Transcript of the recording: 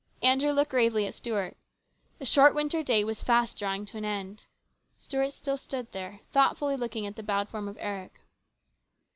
Andrew looked gravely at Stuart. The short winter day was fast drawing to an end. Stuart still stood there, thoughtfully looking at the bowed form of Eric.